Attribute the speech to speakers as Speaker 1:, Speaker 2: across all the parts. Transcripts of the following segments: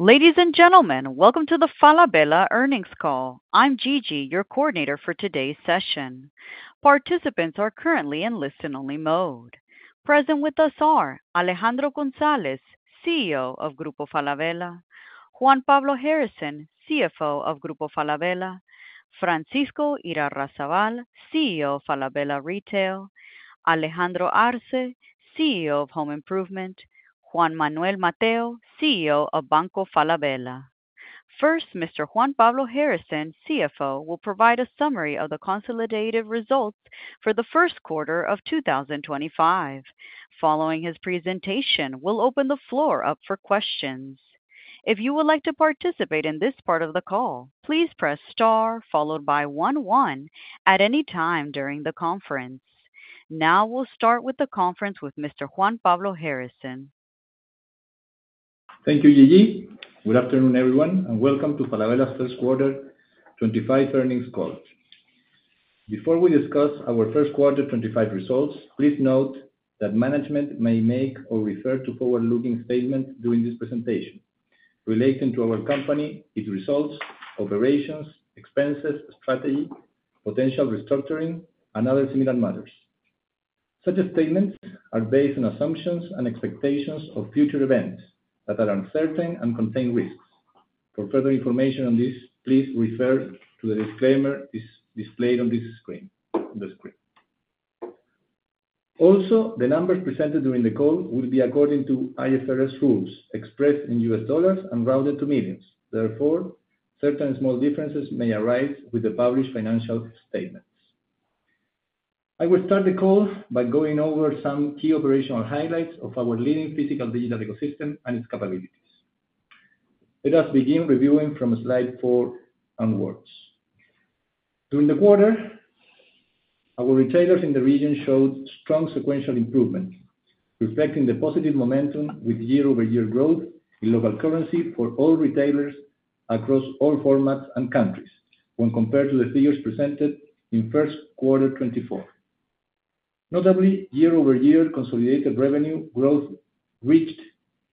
Speaker 1: Ladies and gentlemen, welcome to the Falabella Earnings Call. I'm Gigi, your coordinator for today's session. Participants are currently in listen-only mode. Present with us are Alejandro González, CEO of Grupo Falabella. Juan Pablo Harrison, CFO of Grupo Falabella. Francisco Irarrázaval, CEO of Falabella Retail. Alejandro Arze, CEO of Home Improvement. Juan Manuel Matheu, CEO of Banco Falabella. First, Mr. Juan Pablo Harrison, CFO, will provide a summary of the consolidated results for the first quarter of 2025. Following his presentation, we'll open the floor up for questions. If you would like to participate in this part of the call, please press star followed by 1-1 at any time during the conference. Now we'll start with the conference with Mr. Juan Pablo Harrison.
Speaker 2: Thank you, Gigi. Good afternoon, everyone, and welcome to Falabella's first quarter 2025 earnings call. Before we discuss our first quarter 2025 results, please note that management may make or refer to forward-looking statements during this presentation relating to our company, its results, operations, expenses, strategy, potential restructuring, and other similar matters. Such statements are based on assumptions and expectations of future events that are uncertain and contain risks. For further information on this, please refer to the disclaimer displayed on this screen. Also, the numbers presented during the call will be according to IFRS rules expressed in U.S. dollars and rounded to millions. Therefore, certain small differences may arise with the published financial statements. I will start the call by going over some key operational highlights of our leading physical digital ecosystem and its capabilities. Let us begin reviewing from slide four onwards. During the quarter, our retailers in the region showed strong sequential improvements, reflecting the positive momentum with year-over-year growth in local currency for all retailers across all formats and countries when compared to the figures presented in first quarter 2024. Notably, year-over-year consolidated revenue growth reached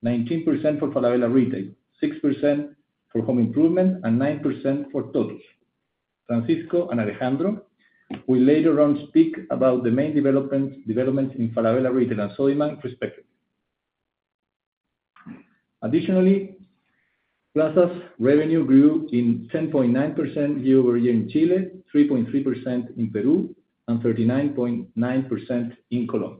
Speaker 2: 19% for Falabella Retail, 6% for Home Improvement, and 9% for Tottus. Francisco and Alejandro will later on speak about the main developments in Falabella Retail and Sodimac respectively. Additionally, Plaza's revenue grew in 10.9% year-over-year in Chile, 3.3% in Peru, and 39.9% in Colombia.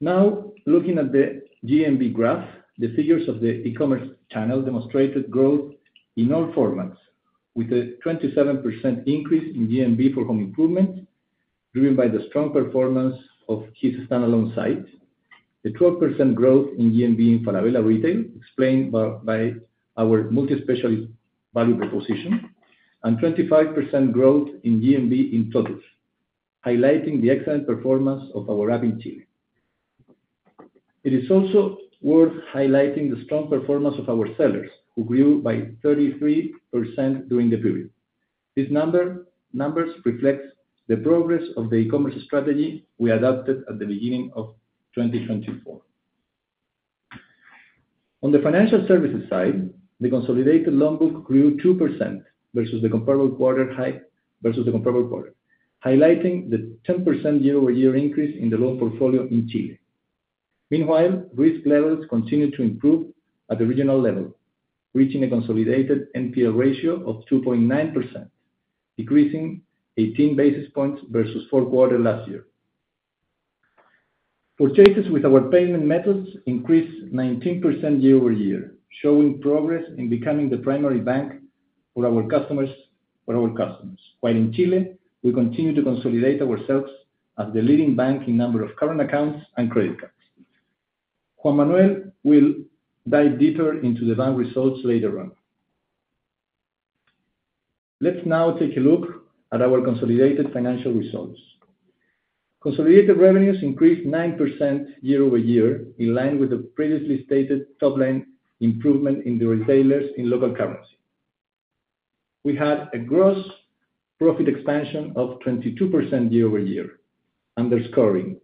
Speaker 2: Now, looking at the GMV graph, the figures of the e-commerce channel demonstrated growth in all formats, with a 27% increase in GMV for Home Improvement driven by the strong performance of his standalone site, a 12% growth in GMB in Falabella Retail explained by our multi-specialist value proposition, and 25% growth in GMV in Tottus, highlighting the excellent performance of our app in Chile. It is also worth highlighting the strong performance of our sellers, who grew by 33% during the period. These numbers reflect the progress of the e-commerce strategy we adopted at the beginning of 2024. On the financial services side, the consolidated loan book grew 2% versus the comparable quarter highlighting the 10% year-over-year increase in the loan portfolio in Chile. Meanwhile, risk levels continued to improve at the regional level, reaching a consolidated NPL ratio of 2.9%, decreasing 18 basis points versus four quarters last year. Purchases with our payment methods increased 19% year-over-year, showing progress in becoming the primary bank for our customers, while in Chile, we continue to consolidate ourselves as the leading bank in number of current accounts and credit cards. Juan Manuel will dive deeper into the bank results later on. Let's now take a look at our consolidated financial results. Consolidated revenues increased 9% year-over-year, in line with the previously stated top-line improvement in the retailers in local currency. We had a gross profit expansion of 22% year-over-year, underscoring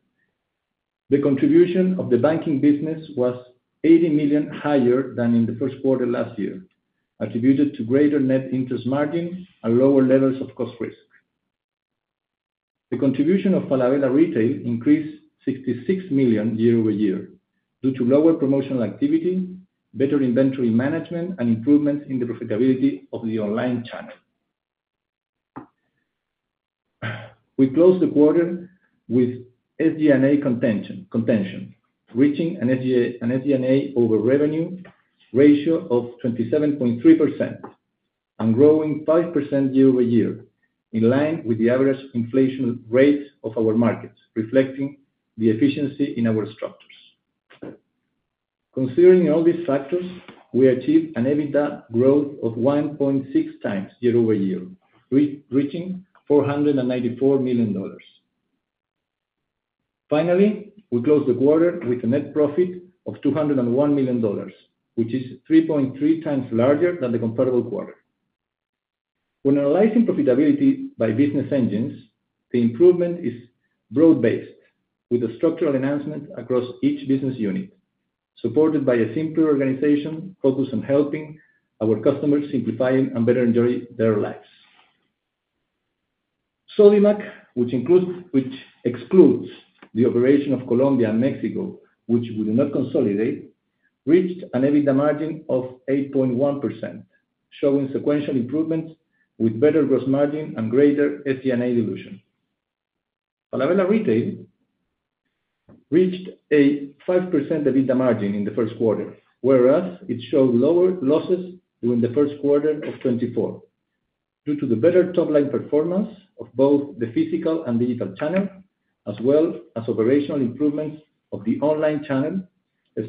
Speaker 2: the contribution of the banking business was 80 million higher than in the first quarter last year, attributed to greater net interest margins and lower levels of cost risk. The contribution of Falabella Retail increased $66 million year-over-year due to lower promotional activity, better inventory management, and improvements in the profitability of the online channel. We closed the quarter with SG&A contention, reaching an SG&A over revenue ratio of 27.3% and growing 5% year-over-year, in line with the average inflation rate of our markets, reflecting the efficiency in our structures. Considering all these factors, we achieved an EBITDA growth of 1.6 times year-over-year, reaching $494 million. Finally, we closed the quarter with a net profit of $201 million, which is 3.3 times larger than the comparable quarter. When analyzing profitability by business engines, the improvement is broad-based, with a structural enhancement across each business unit, supported by a simpler organization focused on helping our customers simplify and better enjoy their lives. Sodimac, which excludes the operation of Colombia and Mexico, which we do not consolidate, reached an EBITDA margin of 8.1%, showing sequential improvements with better gross margin and greater SG&A dilution. Falabella Retail reached a 5% EBITDA margin in the first quarter, whereas it showed lower losses during the first quarter of 2024 due to the better top-line performance of both the physical and digital channel, as well as operational improvements of the online channel,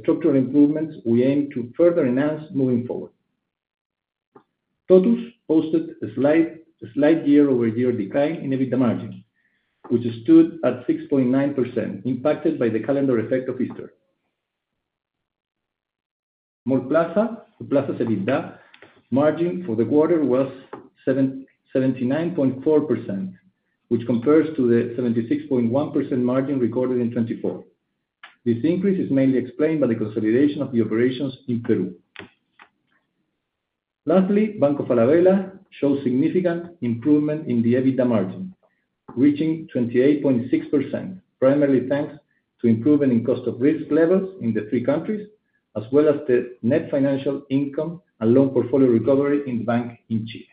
Speaker 2: structural improvements we aim to further enhance moving forward. Total posted a slight year-over-year decline in EBITDA margin, which stood at 6.9%, impacted by the calendar effect of Easter. Mallplaza, the Plaza's EBITDA margin for the quarter was 79.4%, which compares to the 76.1% margin recorded in 2024. This increase is mainly explained by the consolidation of the operations in Peru. Lastly, Banco Falabella showed significant improvement in the EBITDA margin, reaching 28.6%, primarily thanks to improvement in cost of risk levels in the three countries, as well as the net financial income and loan portfolio recovery in the bank in Chile.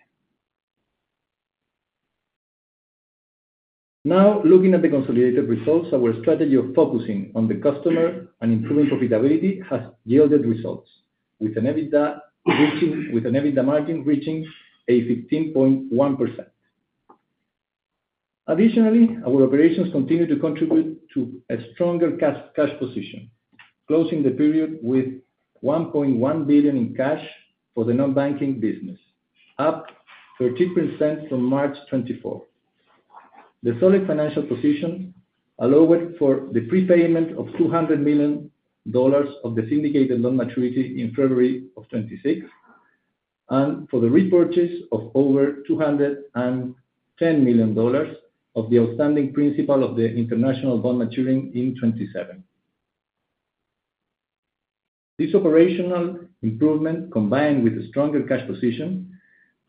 Speaker 2: Now, looking at the consolidated results, our strategy of focusing on the customer and improving profitability has yielded results, with an EBITDA margin reaching a 15.1%. Additionally, our operations continue to contribute to a stronger cash position, closing the period with $1.1 billion in cash for the non-banking business, up 13% from March 2024. The solid financial position allowed for the prepayment of $200 million of the syndicated loan maturity in February of 2026, and for the repurchase of over $210 million of the outstanding principal of the international bond maturing in 2027. This operational improvement, combined with a stronger cash position,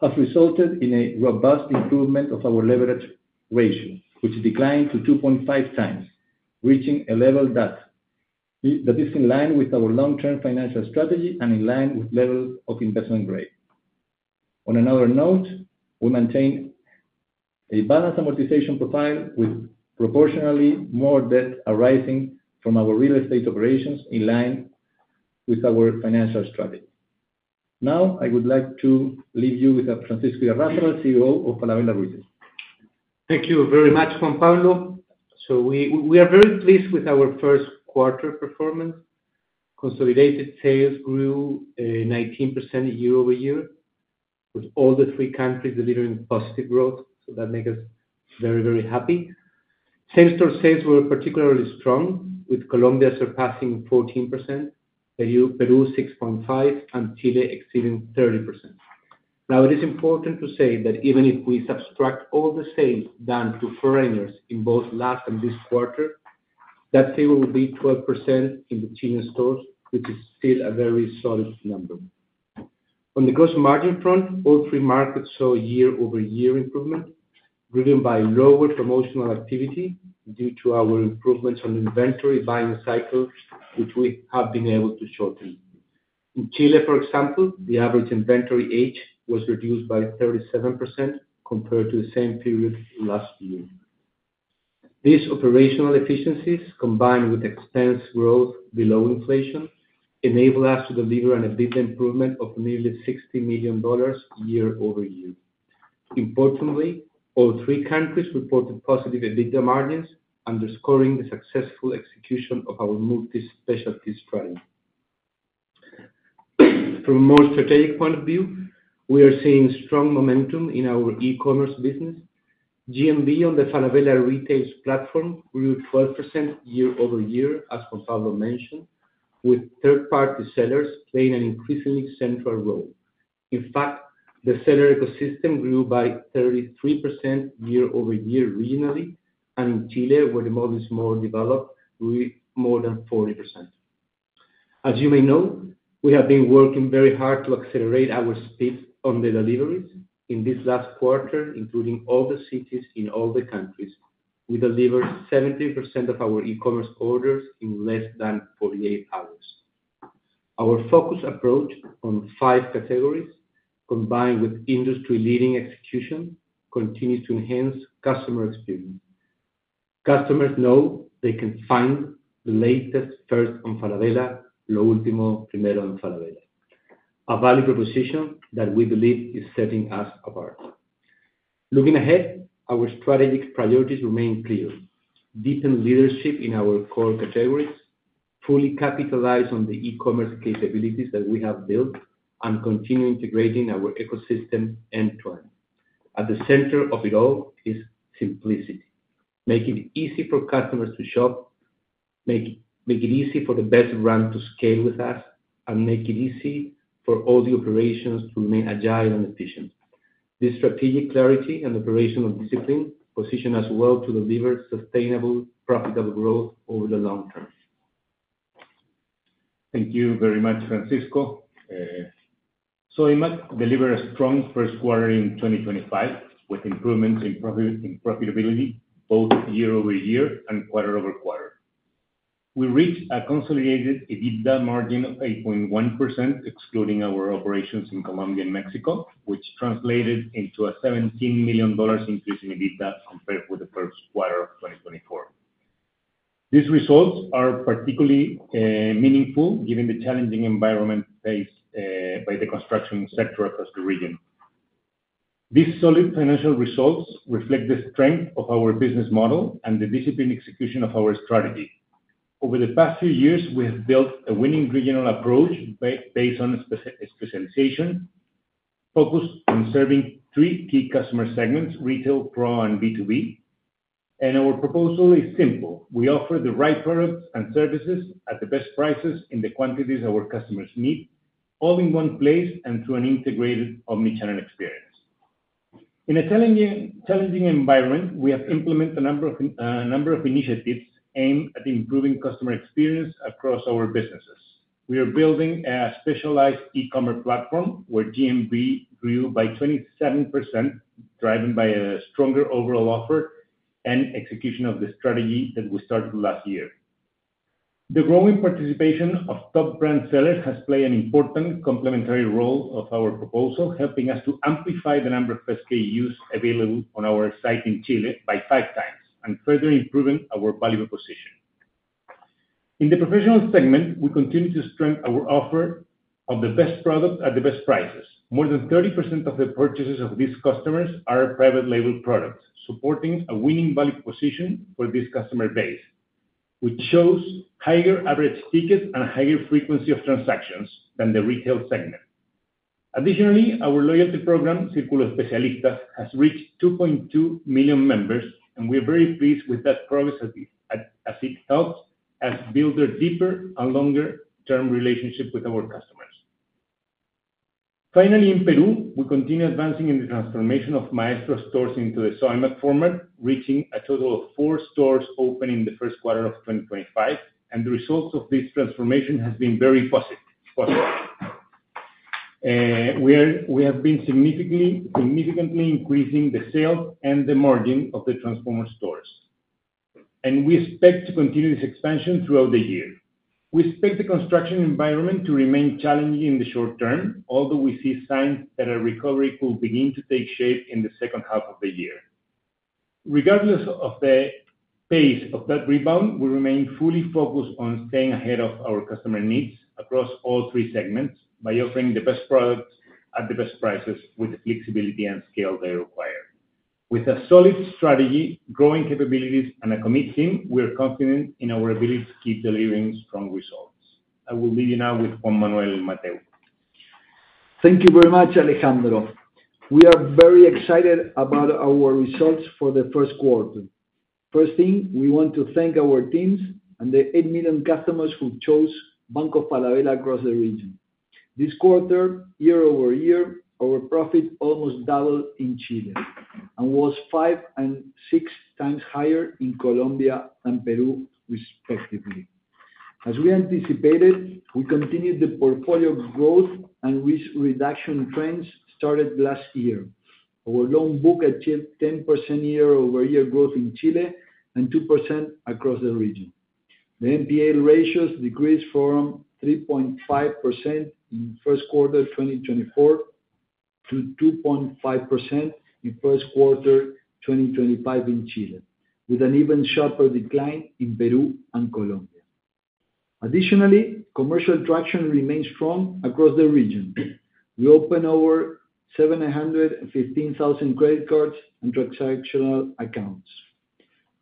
Speaker 2: has resulted in a robust improvement of our leverage ratio, which declined to 2.5 times, reaching a level that is in line with our long-term financial strategy and in line with level of investment grade. On another note, we maintain a balanced amortization profile with proportionally more debt arising from our real estate operations in line with our financial strategy. Now, I would like to leave you with Francisco Irarrázaval, CEO of Falabella Retail.
Speaker 3: Thank you very much, Juan Pablo. So we are very pleased with our first quarter performance. Consolidated sales grew 19% year-over-year, with all the three countries delivering positive growth. So that makes us very, very happy. Same-store sales were particularly strong, with Colombia surpassing 14%, Peru 6.5%, and Chile exceeding 30%. Now, it is important to say that even if we subtract all the sales done to foreigners in both last and this quarter, that figure will be 12% in the Chilean stores, which is still a very solid number. On the gross margin front, all three markets saw year-over-year improvement driven by lower promotional activity due to our improvements on inventory buying cycle, which we have been able to shorten. In Chile, for example, the average inventory age was reduced by 37% compared to the same period last year. These operational efficiencies, combined with expense growth below inflation, enable us to deliver an EBITDA improvement of nearly $60 million year-over-year. Importantly, all three countries reported positive EBITDA margins, underscoring the successful execution of our multi-specialty strategy. From a more strategic point of view, we are seeing strong momentum in our e-commerce business. GMV on the Falabella Retail platform grew 12% year-over-year, as Juan Pablo mentioned, with third-party sellers playing an increasingly central role. In fact, the seller ecosystem grew by 33% year-over-year regionally, and in Chile, where the model is more developed, grew more than 40%. As you may know, we have been working very hard to accelerate our speed on the deliveries in this last quarter, including all the cities in all the countries. We delivered 70% of our e-commerce orders in less than 48 hours. Our focused approach on five categories, combined with industry-leading execution, continues to enhance customer experience. Customers know they can find the latest first on Falabella, lo último primero en Falabella, a value proposition that we believe is setting us apart. Looking ahead, our strategic priorities remain clear: deepen leadership in our core categories, fully capitalize on the e-commerce capabilities that we have built, and continue integrating our ecosystem end-to-end. At the center of it all is simplicity. Make it easy for customers to shop, make it easy for the best brand to scale with us, and make it easy for all the operations to remain agile and efficient. This strategic clarity and operational discipline position us well to deliver sustainable, profitable growth over the long term.
Speaker 4: Thank you very much, Francisco. Soymax delivered a strong first quarter in 2025, with improvements in profitability both year-over-year and quarter-over-quarter. We reached a consolidated EBITDA margin of 8.1%, excluding our operations in Colombia and Mexico, which translated into a $17 million increase in EBITDA compared with the first quarter of 2024. These results are particularly meaningful given the challenging environment faced by the construction sector across the region. These solid financial results reflect the strength of our business model and the disciplined execution of our strategy. Over the past few years, we have built a winning regional approach based on specialization, focused on serving three key customer segments: retail, pro, and B2B. And our proposal is simple. We offer the right products and services at the best prices in the quantities our customers need, all in one place and through an integrated omnichannel experience. In a challenging environment, we have implemented a number of initiatives aimed at improving customer experience across our businesses. We are building a specialized e-commerce platform where GMB grew by 27%, driven by a stronger overall offer and execution of the strategy that we started last year. The growing participation of top brand sellers has played an important complementary role of our proposal, helping us to amplify the number of SKUs available on our site in Chile by five times and further improving our value proposition. In the professional segment, we continue to strengthen our offer of the best product at the best prices. More than 30% of the purchases of these customers are private label products, supporting a winning value proposition for this customer base, which shows higher average tickets and a higher frequency of transactions than the retail segment. Additionally, our loyalty program, Círculo Especialistas, has reached 2.2 million members, and we are very pleased with that progress as it helps us build a deeper and longer-term relationship with our customers. Finally, in Peru, we continue advancing in the transformation of Maestro stores into the Soymax format, reaching a total of four stores open in the first quarter of 2025, and the results of this transformation have been very positive. We have been significantly increasing the sales and the margin of the transformer stores, and we expect to continue this expansion throughout the year. We expect the construction environment to remain challenging in the short term, although we see signs that a recovery could begin to take shape in the second half of the year. Regardless of the pace of that rebound, we remain fully focused on staying ahead of our customer needs across all three segments by offering the best products at the best prices with the flexibility and scale they require. With a solid strategy, growing capabilities, and a committed team, we are confident in our ability to keep delivering strong results. I will leave you now with Juan Manuel Matheu.
Speaker 5: Thank you very much, Alejandro. We are very excited about our results for the first quarter. First thing, we want to thank our teams and the eight million customers who chose Banco Falabella across the region. This quarter, year-over-year, our profit almost doubled in Chile and was five and six times higher in Colombia and Peru, respectively. As we anticipated, we continued the portfolio growth and risk reduction trends started last year. Our loan book achieved 10% year-over-year growth in Chile and 2% across the region. The NPL ratios decreased from 3.5% in first quarter 2024 to 2.5% in first quarter 2025 in Chile, with an even sharper decline in Peru and Colombia. Additionally, commercial traction remains strong across the region. We opened over 715,000 credit cards and transactional accounts.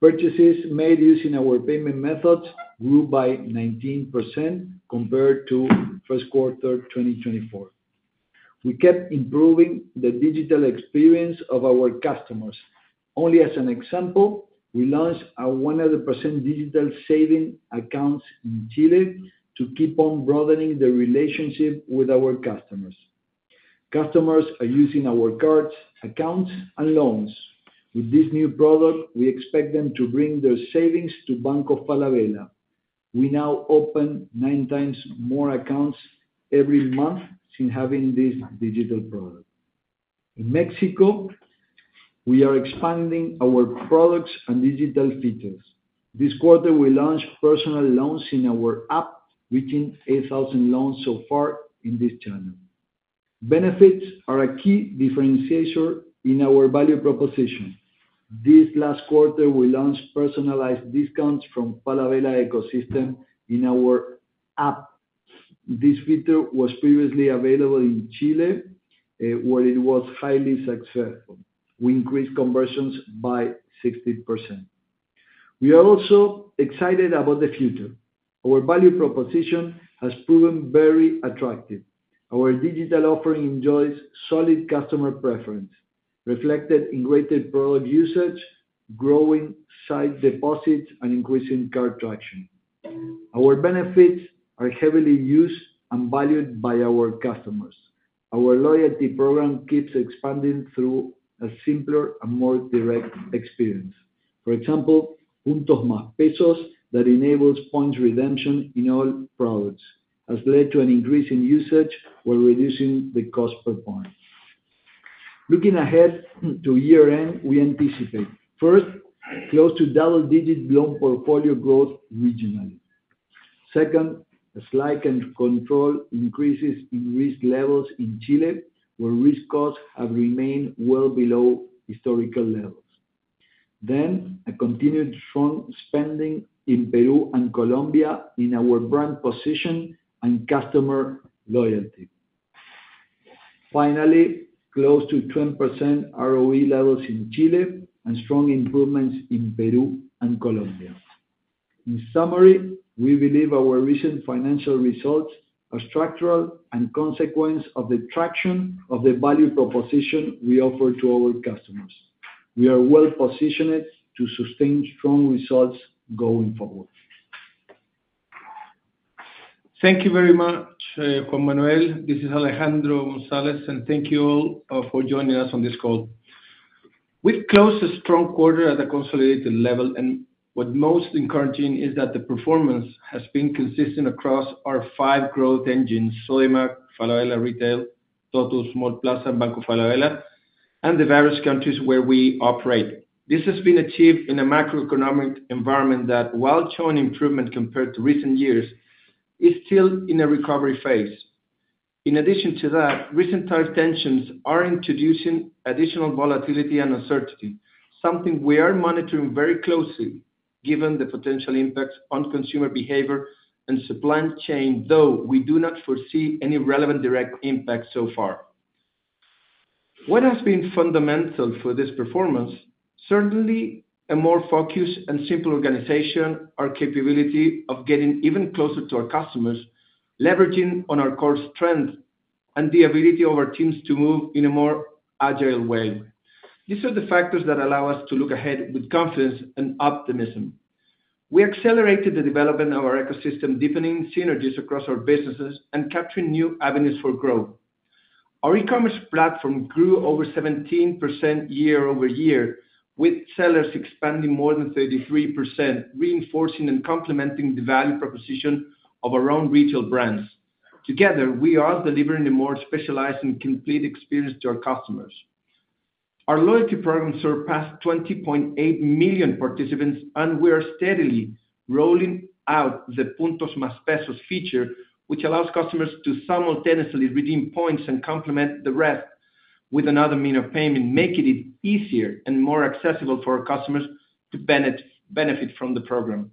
Speaker 5: Purchases made using our payment methods grew by 19% compared to first quarter 2024. We kept improving the digital experience of our customers. Only as an example, we launched a 100% digital savings account in Chile to keep on broadening the relationship with our customers. Customers are using our cards, accounts, and loans. With this new product, we expect them to bring their savings to Banco Falabella. We now open nine times more accounts every month since having this digital product. In Mexico, we are expanding our products and digital features. This quarter, we launched personal loans in our app, reaching 8,000 loans so far in this channel. Benefits are a key differentiator in our value proposition. This last quarter, we launched personalized discounts from Falabella Ecosystem in our app. This feature was previously available in Chile, where it was highly successful. We increased conversions by 60%. We are also excited about the future. Our value proposition has proven very attractive. Our digital offering enjoys solid customer preference, reflected in greater product usage, growing sight deposits, and increasing card traction. Our benefits are heavily used and valued by our customers. Our loyalty program keeps expanding through a simpler and more direct experience. For example, Puntos Más Pesos that enables points redemption in all products has led to an increase in usage while reducing the cost per point. Looking ahead to year-end, we anticipate, first, close to double-digit loan portfolio growth regionally. Second, a slight and controlled increase in risk levels in Chile, where risk costs have remained well below historical levels. Then, a continued strong spending in Peru and Colombia in our brand position and customer loyalty. Finally, close to 10% ROE levels in Chile and strong improvements in Peru and Colombia. In summary, we believe our recent financial results are structural and a consequence of the traction of the value proposition we offer to our customers. We are well positioned to sustain strong results going forward.
Speaker 6: Thank you very much, Juan Manuel. This is Alejandro González, and thank you all for joining us on this call. We've closed a strong quarter at a consolidated level, and what's most encouraging is that the performance has been consistent across our five growth engines: Soymax, Falabella Retail, Tottus, Mallplaza, and Banco Falabella, and the various countries where we operate. This has been achieved in a macroeconomic environment that, while showing improvement compared to recent years, is still in a recovery phase. In addition to that, recent tariff tensions are introducing additional volatility and uncertainty, something we are monitoring very closely given the potential impacts on consumer behavior and supply chain, though we do not foresee any relevant direct impacts so far. What has been fundamental for this performance? Certainly, a more focused and simple organization, our capability of getting even closer to our customers, leveraging our core strengths, and the ability of our teams to move in a more agile way. These are the factors that allow us to look ahead with confidence and optimism. We accelerated the development of our ecosystem, deepening synergies across our businesses and capturing new avenues for growth. Our e-commerce platform grew over 17% year-over-year, with sellers expanding more than 33%, reinforcing and complementing the value proposition of our own retail brands. Together, we are delivering a more specialized and complete experience to our customers. Our loyalty program surpassed 20.8 million participants, and we are steadily rolling out the Puntos Más Pesos feature, which allows customers to simultaneously redeem points and complement the rest with another means of payment, making it easier and more accessible for our customers to benefit from the program.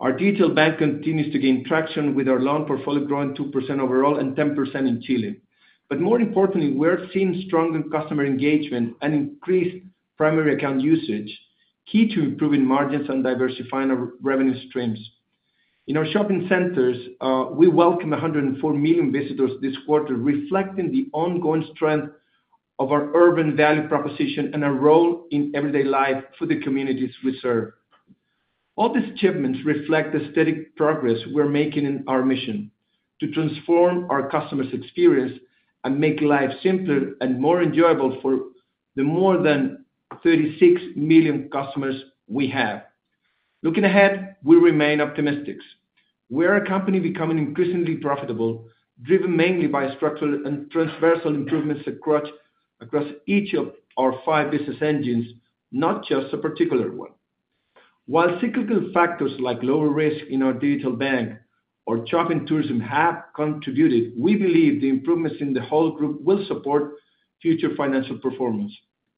Speaker 6: Our digital bank continues to gain traction with our loan portfolio growing 2% overall and 10% in Chile. But more importantly, we are seeing stronger customer engagement and increased primary account usage, key to improving margins and diversifying our revenue streams. In our shopping centers, we welcomed 104 million visitors this quarter, reflecting the ongoing strength of our urban value proposition and our role in everyday life for the communities we serve. All these achievements reflect the steady progress we are making in our mission to transform our customers' experience and make life simpler and more enjoyable for the more than 36 million customers we have. Looking ahead, we remain optimistic. We are a company becoming increasingly profitable, driven mainly by structural and transversal improvements across each of our five business engines, not just a particular one. While cyclical factors like lower risk in our digital bank or shopping tourism have contributed, we believe the improvements in the whole group will support future financial performance.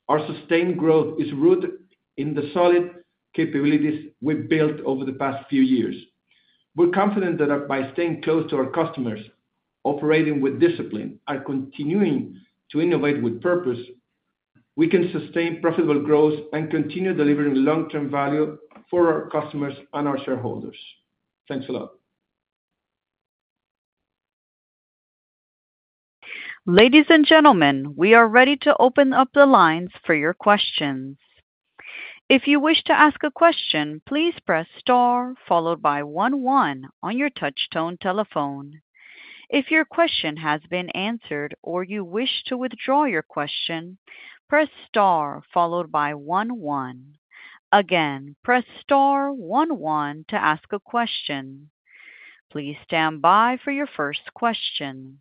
Speaker 6: Our sustained growth is rooted in the solid capabilities we've built over the past few years. We're confident that by staying close to our customers, operating with discipline, and continuing to innovate with purpose, we can sustain profitable growth and continue delivering long-term value for our customers and our shareholders. Thanks a lot.
Speaker 1: Ladies and gentlemen, we are ready to open up the lines for your questions. If you wish to ask a question, please press star followed by 11 on your touchtone telephone. If your question has been answered or you wish to withdraw your question, press star followed by 11. Again, press star 11 to ask a question. Please stand by for your first question.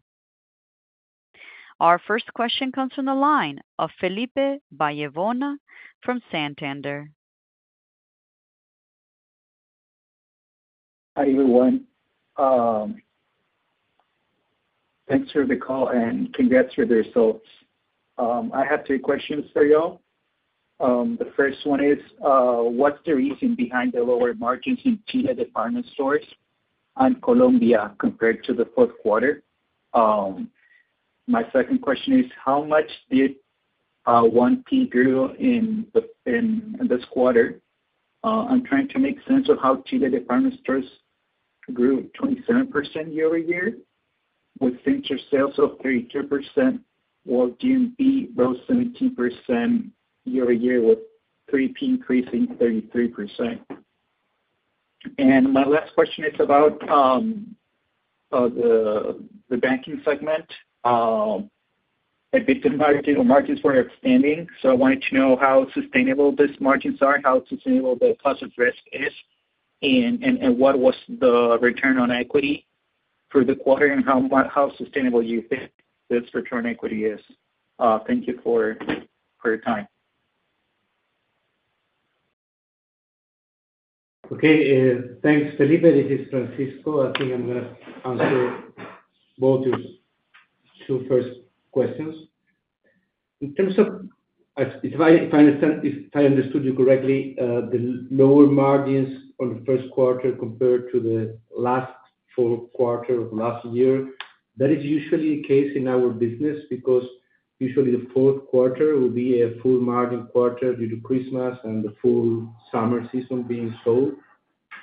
Speaker 1: Our first question comes from the line of Felipe Bayona from Santander.
Speaker 7: Hi everyone. Thanks for the call and congrats for the results. I have three questions for y'all. The first one is, what's the reason behind the lower margins in Chile department stores and Colombia compared to the fourth quarter? My second question is, how much did 1P grow in this quarter? I'm trying to make sense of how Chile department stores grew 27% year-over-year with central sales of 32% while GMB rose 17% year-over-year with 3P increasing 33%. And my last question is about the banking segment. The margins were outstanding, so I wanted to know how sustainable these margins are, how sustainable the cost of risk is, and what was the return on equity for the quarter and how sustainable you think this return on equity is. Thank you for your time.
Speaker 3: Okay, thanks, Felipe. This is Francisco. I think I'm going to answer both your two first questions. In terms of, if I understood you correctly, the lower margins on the first quarter compared to the last four quarters of last year, that is usually the case in our business because usually the fourth quarter will be a full margin quarter due to Christmas and the full summer season being sold,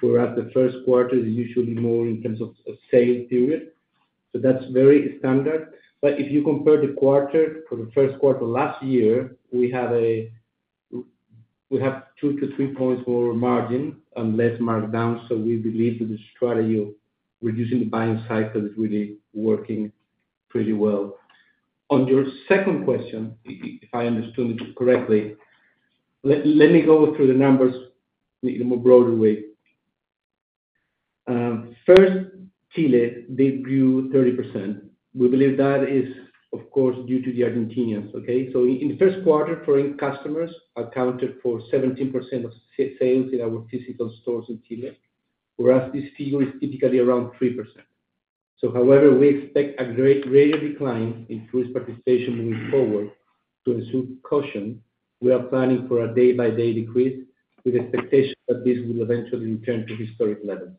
Speaker 3: whereas the first quarter is usually more in terms of sale period. So that's very standard. But if you compare the quarter for the first quarter last year, we have 2-3 points more margin and less markdown. So we believe that the strategy of reducing the buying cycle is really working pretty well. On your second question, if I understood it correctly, let me go through the numbers in a more broader way. First, Chile did grow 30%. We believe that is, of course, due to the Argentinians, okay? So in the first quarter, foreign customers accounted for 17% of sales in our physical stores in Chile, whereas this figure is typically around 3%. So however, we expect a greater decline in tourist participation moving forward. To ensure caution, we are planning for a day-by-day decrease with expectations that this will eventually return to historic levels.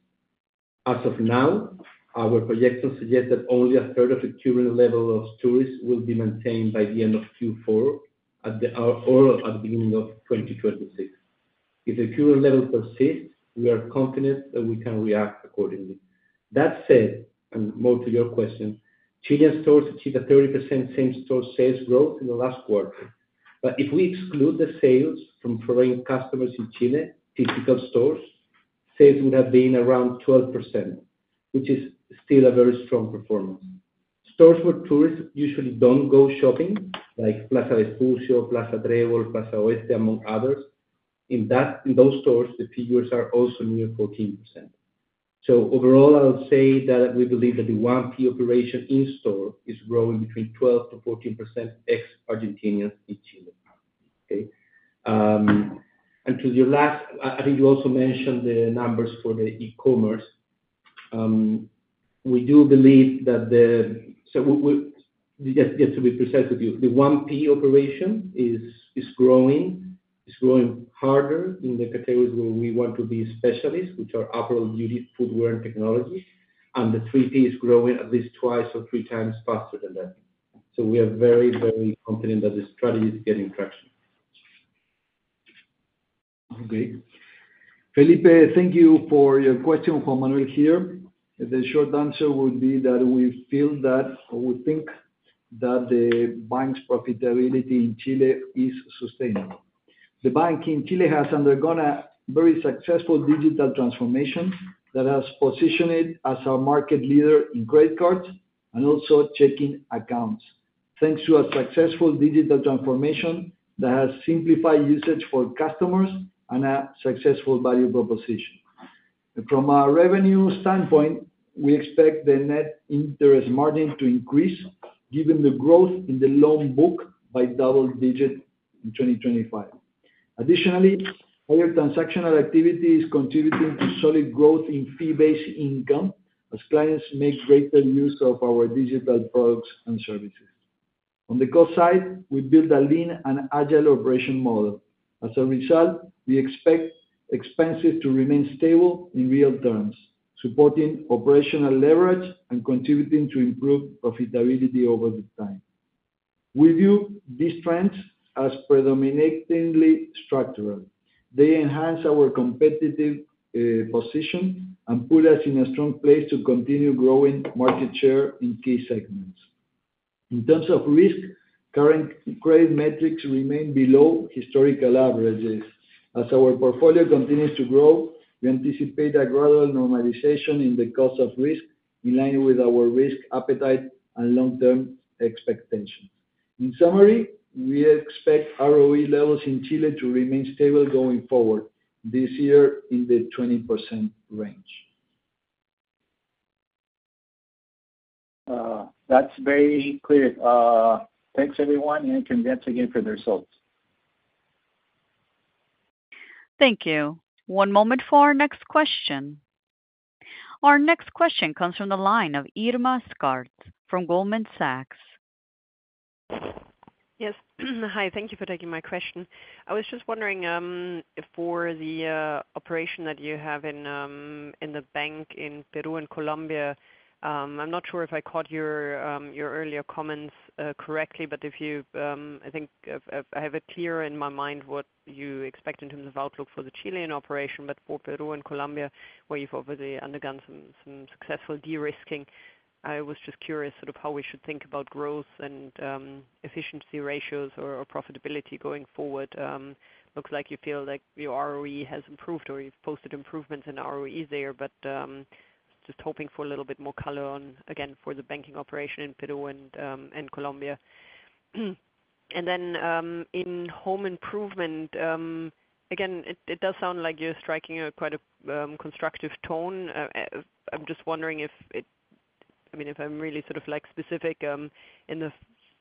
Speaker 3: As of now, our projections suggest that only a third of the current level of tourists will be maintained by the end of Q4 or at the beginning of 2026. If the current level persists, we are confident that we can react accordingly. That said, and more to your question, Chilean stores achieved a 30% same-store sales growth in the last quarter. If we exclude the sales from foreign customers in Chile, typical stores, sales would have been around 12%, which is still a very strong performance. Stores where tourists usually don't go shopping, like Plaza Vespucio, Plaza Trébol, Plaza Oeste, among others, in those stores, the figures are also near 14%. So overall, I'll say that we believe that the 1P operation in-store is growing between 12% to 14% ex-Argentinians in Chile, okay? And to your last, I think you also mentioned the numbers for the e-commerce. We do believe that the, so just to be precise with you, the 1P operation is growing faster in the categories where we want to be specialists, which are apparel, beauty, footwear, and technology, and the 3P is growing at least twice or three times faster than that. So we are very, very confident that the strategy is getting traction. Okay.
Speaker 5: Felipe, thank you for your question. Juan Manuel here. The short answer would be that we feel that, or we think that the bank's profitability in Chile is sustainable. The bank in Chile has undergone a very successful digital transformation that has positioned it as a market leader in credit cards and also checking accounts. Thanks to a successful digital transformation that has simplified usage for customers and a successful value proposition. From a revenue standpoint, we expect the net interest margin to increase given the growth in the loan book by double digit in 2025. Additionally, higher transactional activity is contributing to solid growth in fee-based income as clients make greater use of our digital products and services. On the cost side, we built a lean and agile operation model. As a result, we expect expenses to remain stable in real terms, supporting operational leverage and contributing to improved profitability over the time. We view these trends as predominantly structural. They enhance our competitive position and put us in a strong place to continue growing market share in key segments. In terms of risk, current credit metrics remain below historical averages. As our portfolio continues to grow, we anticipate a gradual normalization in the cost of risk in line with our risk appetite and long-term expectations. In summary, we expect ROE levels in Chile to remain stable going forward this year in the 20% range.
Speaker 4: That's very clear. Thanks, everyone, and congrats again for the results.
Speaker 1: Thank you. One moment for our next question. Our next question comes from the line of Irma Sgarz from Goldman Sachs.
Speaker 8: Yes. Hi, thank you for taking my question. I was just wondering for the operation that you have in the bank in Peru and Colombia. I'm not sure if I caught your earlier comments correctly, but if you, I think I have it clearer in my mind what you expect in terms of outlook for the Chilean operation, but for Peru and Colombia, where you've obviously undergone some successful de-risking. I was just curious sort of how we should think about growth and efficiency ratios or profitability going forward. Looks like you feel like your ROE has improved or you've posted improvements in ROE there, but just hoping for a little bit more color on, again, for the banking operation in Peru and Colombia. And then in home improvement, again, it does sound like you're striking a quite constructive tone. I'm just wondering if, I mean, if I'm really sort of specific, in the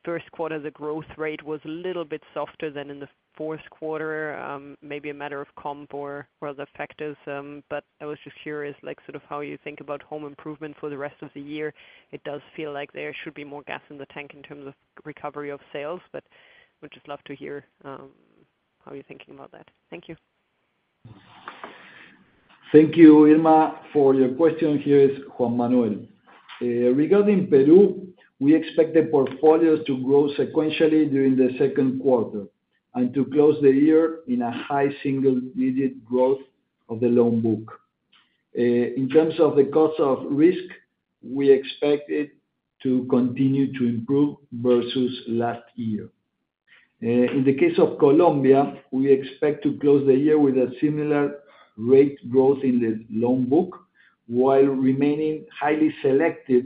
Speaker 8: first quarter, the growth rate was a little bit softer than in the fourth quarter, maybe a matter of comp or other factors, but I was just curious sort of how you think about home improvement for the rest of the year. It does feel like there should be more gas in the tank in terms of recovery of sales, but would just love to hear how you're thinking about that. Thank you.
Speaker 5: Thank you, Irma. For your question here is Juan Manuel. Regarding Peru, we expect the portfolios to grow sequentially during the second quarter and to close the year in a high single-digit growth of the loan book. In terms of the cost of risk, we expect it to continue to improve versus last year. In the case of Colombia, we expect to close the year with a similar rate growth in the loan book while remaining highly selective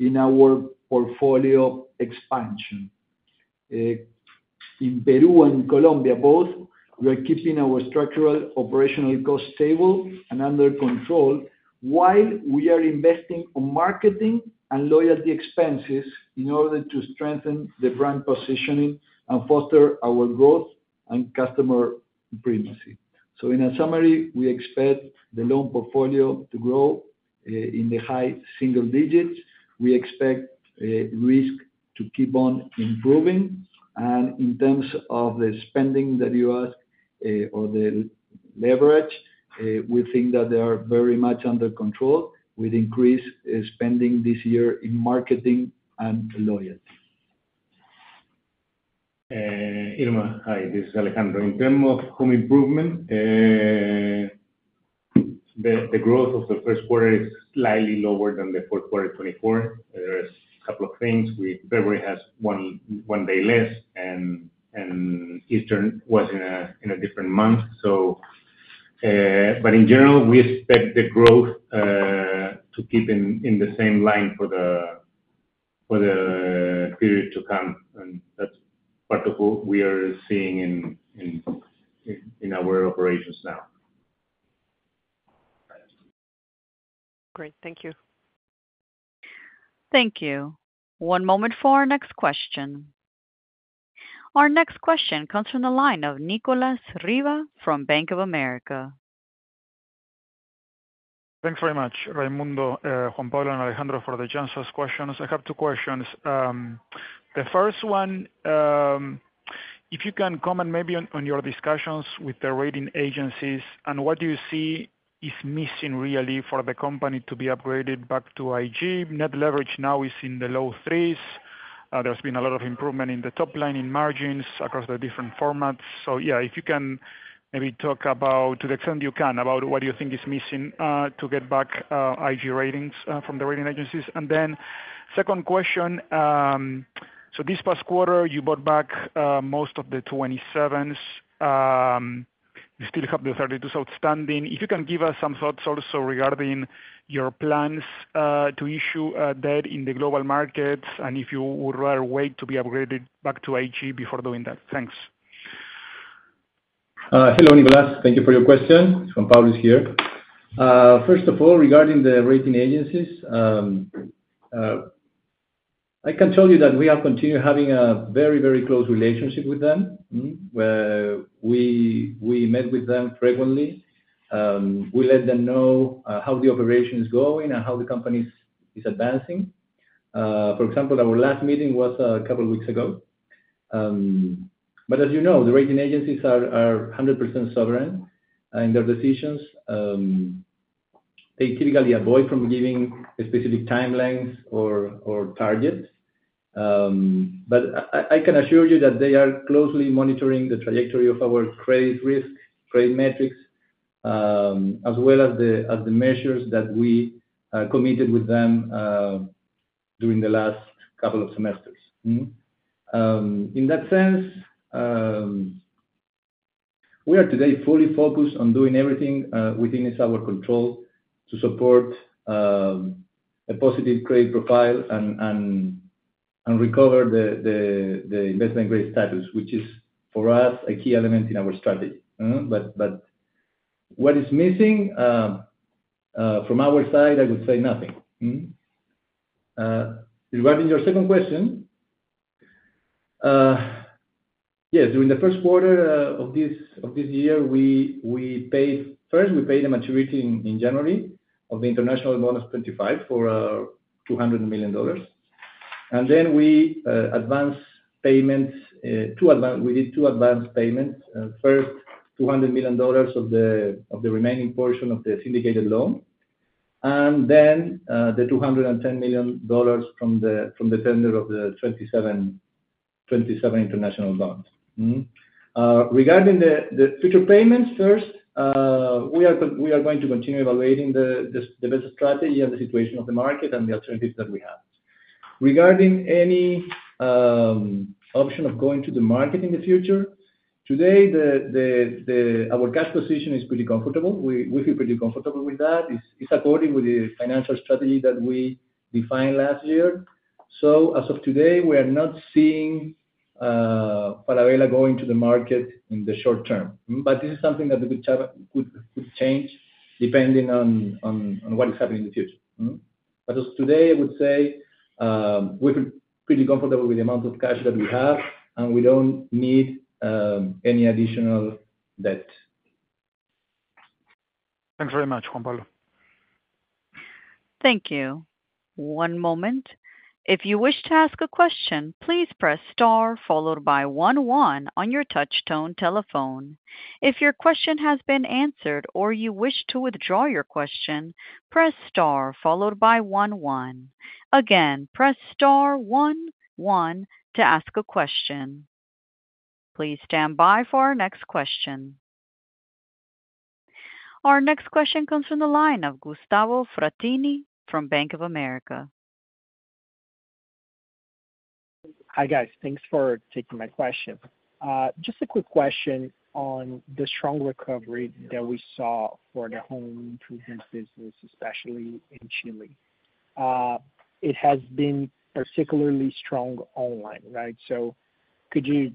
Speaker 5: in our portfolio expansion. In Peru and Colombia both, we're keeping our structural operational costs stable and under control while we are investing in marketing and loyalty expenses in order to strengthen the brand positioning and foster our growth and customer primacy. In summary, we expect the loan portfolio to grow in the high single digits. We expect risk to keep on improving. In terms of the spending that you asked or the leverage, we think that they are very much under control with increased spending this year in marketing and loyalty.
Speaker 4: Irma, hi, this is Alejandro. In terms of home improvement, the growth of the first quarter is slightly lower than the fourth quarter 2024. There are a couple of things. February has one day less, and Easter was in a different month. But in general, we expect the growth to keep in the same line for the period to come. That's part of what we are seeing in our operations now.
Speaker 8: Great. Thank you.
Speaker 1: Thank you. One moment for our next question. Our next question comes from the line of Nicolas Riva from Bank of America.
Speaker 9: Thanks very much, Raimundo, Juan Pablo, and Alejandro for the chance to ask questions. I have two questions. The first one, if you can comment maybe on your discussions with the rating agencies and what do you see is missing really for the company to be upgraded back to IG? Net leverage now is in the low threes. There's been a lot of improvement in the top line in margins across the different formats. So yeah, if you can maybe talk about, to the extent you can, about what you think is missing to get back IG ratings from the rating agencies. And then second question, so this past quarter, you bought back most of the 27s. You still have the 32 outstanding. If you can give us some thoughts also regarding your plans to issue a debt in the global markets and if you would rather wait to be upgraded back to IG before doing that? Thanks.
Speaker 2: Hello, Nicholas. Thank you for your question. Juan Pablo is here. First of all, regarding the rating agencies, I can tell you that we have continued having a very, very close relationship with them. We met with them frequently. We let them know how the operation is going and how the company is advancing. For example, our last meeting was a couple of weeks ago. But as you know, the rating agencies are 100% sovereign in their decisions. They typically avoid from giving specific timelines or targets. But I can assure you that they are closely monitoring the trajectory of our credit risk, credit metrics, as well as the measures that we committed with them during the last couple of semesters. In that sense, we are today fully focused on doing everything within our control to support a positive credit profile and recover the investment grade status, which is, for us, a key element in our strategy, but what is missing from our side, I would say, nothing. Regarding your second question, yes, during the first quarter of this year, first, we paid a maturity in January of the International Bonds 2025 for $200 million, and then we advanced payments. We did two advanced payments. First, $200 million of the remaining portion of the syndicated loan, and then the $210 million from the tender of the 2027 International Bonds. Regarding the future payments, first, we are going to continue evaluating the best strategy and the situation of the market and the alternatives that we have. Regarding any option of going to the market in the future, today, our cash position is pretty comfortable. We feel pretty comfortable with that. It's according with the financial strategy that we defined last year. As of today, we are not seeing Falabella going to the market in the short term. This is something that could change depending on what is happening in the future. As of today, I would say we feel pretty comfortable with the amount of cash that we have, and we don't need any additional debt.
Speaker 9: Thanks very much, Juan Pablo.
Speaker 1: Thank you. One moment. If you wish to ask a question, please press star followed by 11 on your touch-tone telephone. If your question has been answered or you wish to withdraw your question, press star followed by 11. Again, press star 11 to ask a question. Please stand by for our next question. Our next question comes from the line of Gustavo Fratini from Bank of America.
Speaker 10: Hi guys. Thanks for taking my question. Just a quick question on the strong recovery that we saw for the home improvement business, especially in Chile. It has been particularly strong online, right? So could you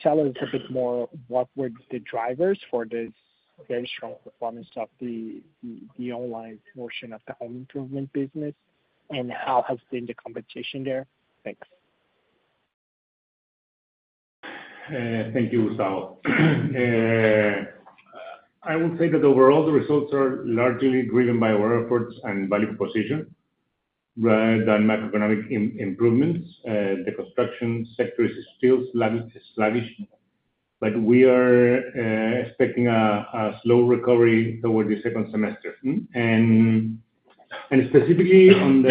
Speaker 10: tell us a bit more what were the drivers for this very strong performance of the online portion of the home improvement business, and how has been the competition there? Thanks.
Speaker 4: Thank you, Gustavo. I would say that overall, the results are largely driven by our efforts and value proposition rather than macroeconomic improvements. The construction sector is still sluggish, but we are expecting a slow recovery toward the second semester, and specifically on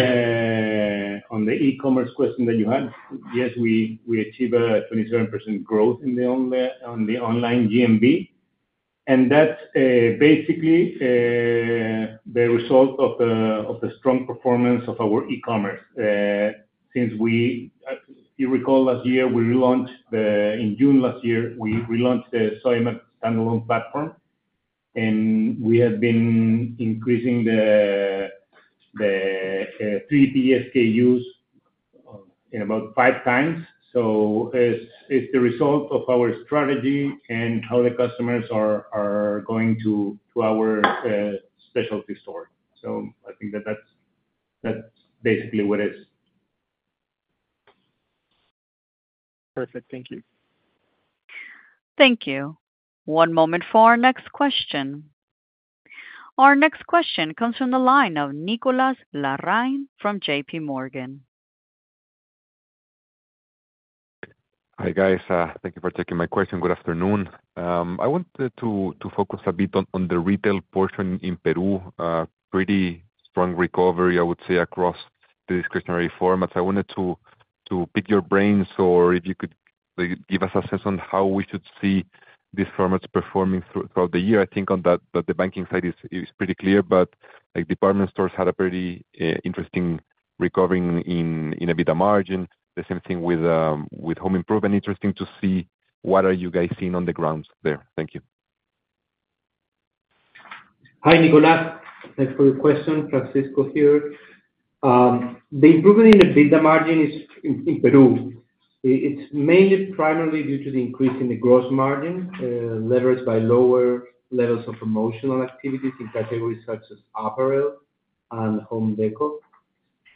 Speaker 4: the e-commerce question that you had, yes, we achieved a 27% growth in the online GMV, and that's basically the result of the strong performance of our e-commerce. Since you recall last year, we relaunched in June last year, we relaunched the Sodimac standalone platform, and we have been increasing the 3P SKUs in about five times, so it's the result of our strategy and how the customers are going to our specialty store, so I think that that's basically what it is.
Speaker 10: Perfect. Thank you.
Speaker 1: Thank you. One moment for our next question. Our next question comes from the line of Nicolas Larraín from J.P. Morgan.
Speaker 11: Hi guys. Thank you for taking my question. Good afternoon. I wanted to focus a bit on the retail portion in Peru. Pretty strong recovery, I would say, across the discretionary formats. I wanted to pick your brains or if you could give us a sense on how we should see these formats performing throughout the year. I think on the banking side is pretty clear, but department stores had a pretty interesting recovery in EBITDA margin. The same thing with home improvement. Interesting to see what are you guys seeing on the grounds there? Thank you.
Speaker 3: Hi, Nicolas. Thanks for your question. Francisco here. The improvement in EBITDA margin in Peru, it's mainly primarily due to the increase in the gross margin leveraged by lower levels of promotional activities in categories such as apparel and home deco.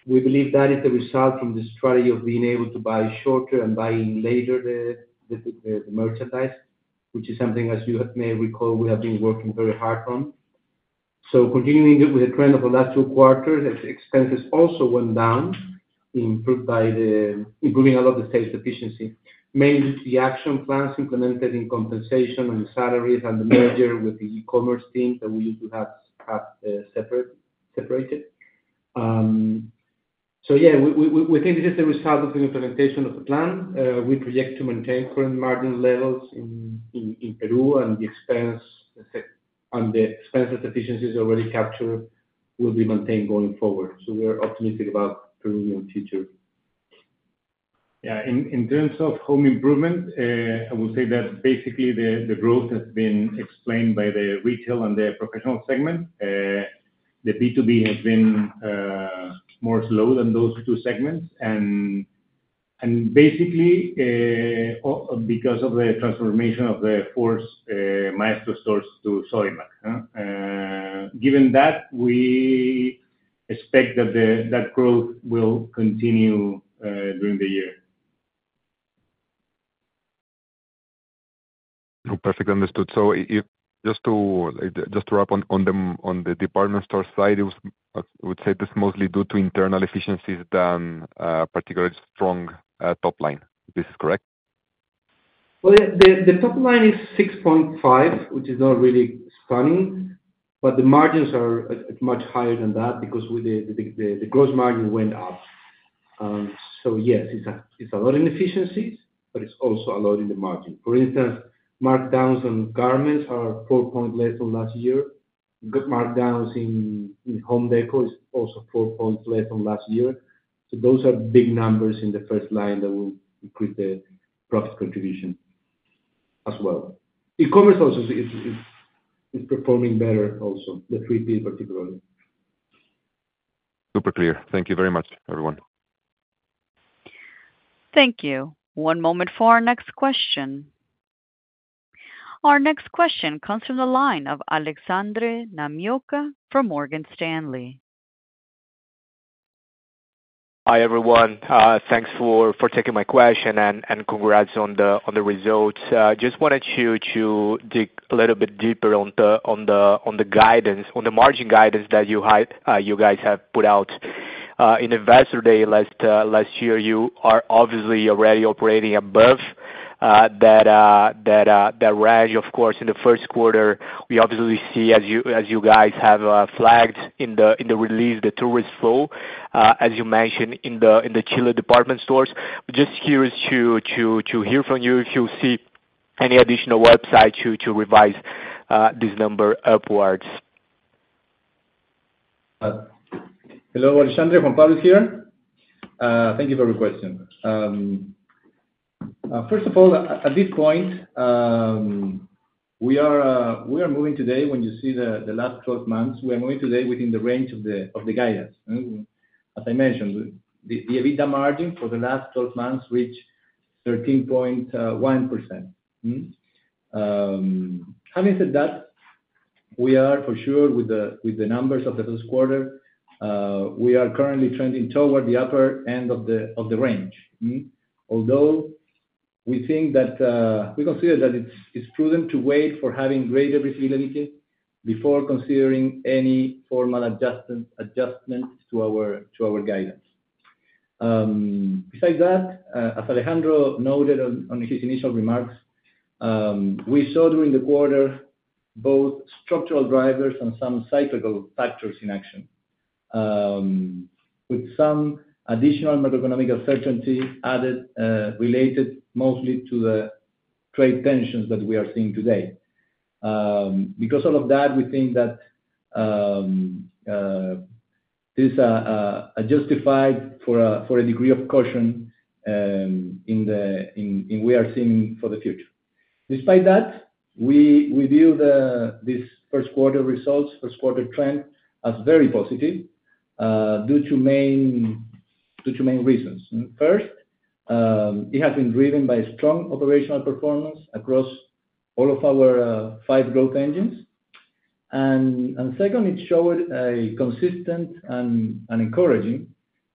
Speaker 3: We believe that is the result from the strategy of being able to buy shorter and buying later the merchandise, which is something, as you may recall, we have been working very hard on. Continuing with the trend of the last two quarters, expenses also went down, improved by improving a lot of the sales efficiency. Mainly, the action plans implemented in compensation and salaries and the merger with the e-commerce team that we used to have separated. Yeah, we think this is the result of the implementation of the plan. We project to maintain current margin levels in Peru and the expenses efficiencies already captured will be maintained going forward, so we're optimistic about the Peruvian future. Yeah. In terms of home improvement, I would say that basically the growth has been explained by the retail and the professional segment. The B2B has been more slow than those two segments. And basically, because of the transformation of the former Maestro stores to Sodimac, given that, we expect that that growth will continue during the year.
Speaker 11: Perfectly understood. So just to wrap on the department store side, I would say this is mostly due to internal efficiencies than particularly strong top line. This is correct?
Speaker 3: The top line is 6.5, which is not really stunning, but the margins are much higher than that because the gross margin went up. Yes, it's a lot in efficiencies, but it's also a lot in the margin. For instance, markdowns on garments are 4 points less than last year. Markdowns in home decor is also 4 points less than last year. Those are big numbers in the first line that will increase the profit contribution as well. E-commerce also is performing better also, the 3P particularly.
Speaker 11: Super clear. Thank you very much, everyone.
Speaker 1: Thank you. One moment for our next question. Our next question comes from the line of Alexandre Namioka from Morgan Stanley.
Speaker 12: Hi, everyone. Thanks for taking my question and congrats on the results. Just wanted you to dig a little bit deeper on the margin guidance that you guys have put out. In the investor day last year, you are obviously already operating above that range. Of course, in the first quarter, we obviously see, as you guys have flagged in the release, the tourist flow, as you mentioned, in the Chile department stores. Just curious to hear from you if you'll see any additional upside to revise this number upwards?
Speaker 2: Hello, Alexandre. Juan Pablo is here. Thank you for your question. First of all, at this point, we are moving today when you see the last 12 months, we are moving today within the range of the guidance. As I mentioned, the EBITDA margin for the last 12 months reached 13.1%. Having said that, we are for sure with the numbers of the first quarter, we are currently trending toward the upper end of the range. Although we think that we consider that it's prudent to wait for having greater visibility before considering any formal adjustment to our guidance. Besides that, as Alejandro noted on his initial remarks, we saw during the quarter both structural drivers and some cyclical factors in action, with some additional macroeconomic uncertainty related mostly to the trade tensions that we are seeing today. Because of that, we think that this is justified for a degree of caution in what we are seeing for the future. Despite that, we view this first quarter results, first quarter trend as very positive due to main reasons. First, it has been driven by strong operational performance across all of our five growth engines. And second, it showed a consistent and encouraging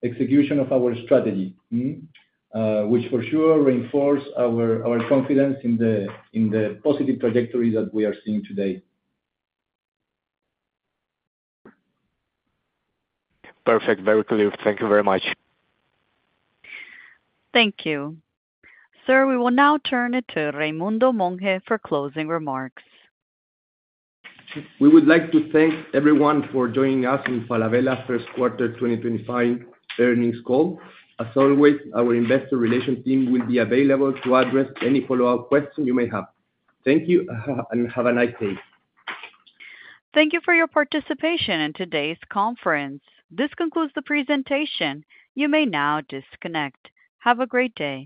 Speaker 2: execution of our strategy, which for sure reinforced our confidence in the positive trajectory that we are seeing today.
Speaker 12: Perfect. Very clear. Thank you very much.
Speaker 1: Thank you. Sir, we will now turn it to Raimundo Monge for closing remarks.
Speaker 13: We would like to thank everyone for joining us in Falabella First Quarter 2025 Earnings Call. As always, our Investor Relations team will be available to address any follow-up questions you may have. Thank you and have a nice day.
Speaker 1: Thank you for your participation in today's conference. This concludes the presentation. You may now disconnect. Have a great day.